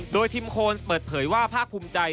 โดยทีมโคลสเปิดเผยว่าผ้าคุมใจ